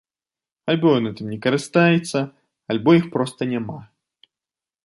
Альбо ён гэтым не карыстаецца, альбо іх проста няма.